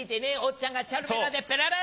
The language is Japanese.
っちゃんがチャルメラで。